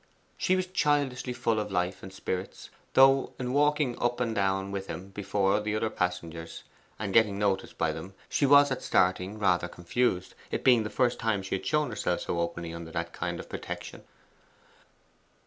She was childishly full of life and spirits, though in walking up and down with him before the other passengers, and getting noticed by them, she was at starting rather confused, it being the first time she had shown herself so openly under that kind of protection.